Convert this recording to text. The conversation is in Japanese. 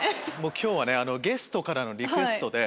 今日はゲストからのリクエストで。